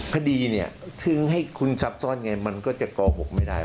พอดีเนี่ยถึงให้คุณทรัพย์ซ่อนไงมันก็จะก่อบกไม่ได้